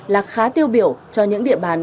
là khá tiêu biểu cho những địa bàn